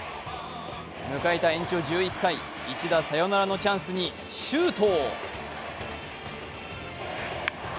迎えた延長１１回、一打サヨナラのチャンスに周東。